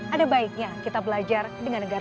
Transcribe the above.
ada baiknya kita belajar dengan negara